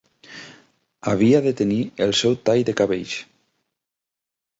Havia de tenir el seu tall de cabells.